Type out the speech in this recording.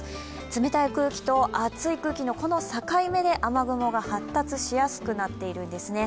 冷たい空気と熱い空気のこの境目で雨雲が発達しやくなっているんですね。